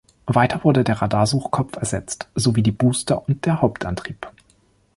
Weiter wurde der Radarsuchkopf ersetzt, sowie die Booster und der Hauptantrieb.